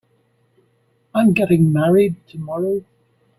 I'm getting married tomorrow.